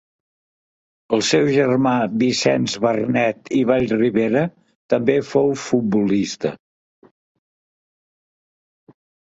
El seu germà Vicenç Barnet i Vallribera també fou futbolista.